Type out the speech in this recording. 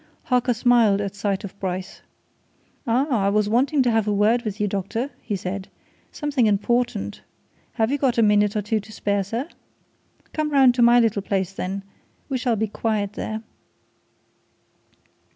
Harker smiled at sight of Bryce. "Ah, I was wanting to have a word with you, doctor!" he said. "Something important. Have you got a minute or two to spare, sir? Come round to my little place, then we shall be quiet there."